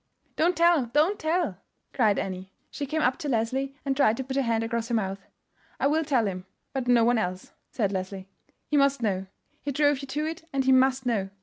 "Don't tell, don't tell!" cried Annie. She came up to Leslie, and tried to put her hand across her mouth. "I will tell him; but no one else," said Leslie. "He must know; he drove you to it, and he must know.